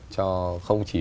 cho không chỉ